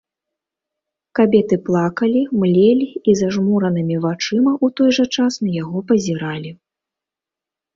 Кабеты плакалі, млелі і зажмуранымі вачыма ў той жа час на яго пазіралі.